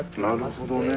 あっなるほどね。